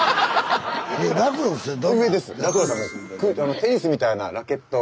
テニスみたいなラケットを。